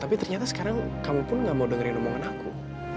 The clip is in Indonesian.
tapi ternyata sekarang kamu pun gak mau dengerin omongan aku